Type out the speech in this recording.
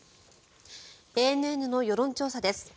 ＡＮＮの世論調査です。